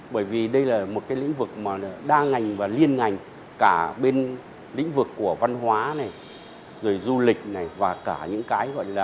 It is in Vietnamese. bởi vì đây là một lĩnh vực đa ngành và liên ngành cả bên lĩnh vực của văn hóa du lịch và cả những cái